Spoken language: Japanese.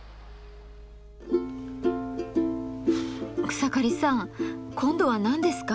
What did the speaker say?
草刈さん今度は何ですか？